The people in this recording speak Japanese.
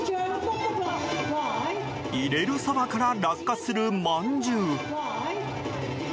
入れるそばから落下するまんじゅう。